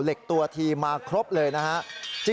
เหล็กตัวทีมาครบเลยนะฮะ